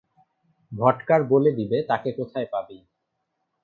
ভটকার বলে দিবে তাকে কোথায় পাবি।